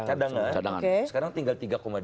kadangan sekarang tinggal tiga dua